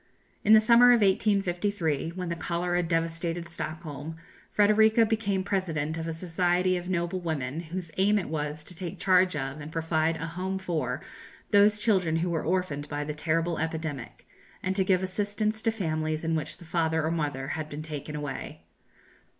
In the summer of 1853, when the cholera devastated Stockholm, Frederika became president of a society of noble women, whose aim it was to take charge of, and provide a home for, those children who were orphaned by the terrible epidemic, and to give assistance to families in which the father or mother had been taken away.